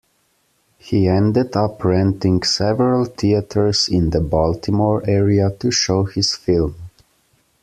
He ended up renting several theaters in the Baltimore area to show his film.